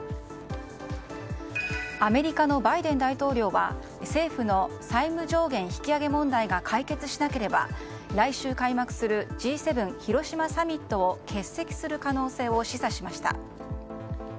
アメリカのバイデン大統領は政府の債務上限引き上げ問題が解決しなければ来週開幕するＧ７広島サミットを欠席する可能性を示唆しました。